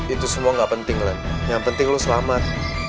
itu semua gak penting len yang penting lo selamat